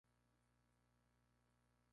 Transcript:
Luego participa en las clásicas.